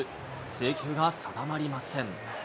制球が定まりません。